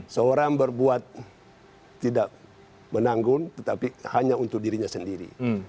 seorang berbuat tidak menanggun tetapi hanya untuk dirinya sendiri